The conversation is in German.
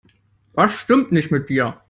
Was stimmt nicht mit dir?